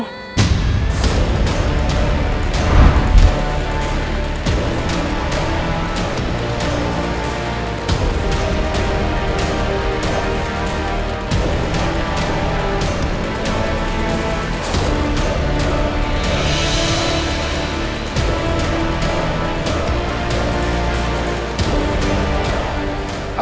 aku berhasil menangkapnya